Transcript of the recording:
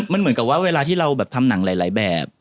มันเหมือนกับว่าเวลาที่เราแบบทำหนังหลายแบบ